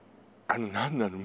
あの何なの？